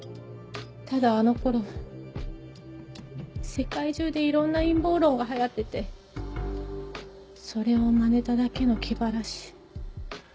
ただあの頃世界中でいろんな陰謀論が流行っててそれをまねただけの気晴らし。